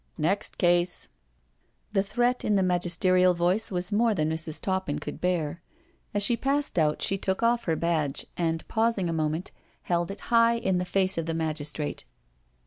Next case.'* The threat in the magisterial voice was more than Mrs. Toppin could bear. As she passed out she took off her badge, and, pausing a moment, held it high in the face of the magistrate.